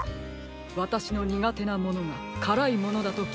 わたしのにがてなものがからいものだときいたときに。